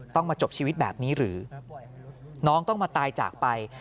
ต้องมาจบชีวิตแบบนี้หรือน้องต้องมาตายจากไป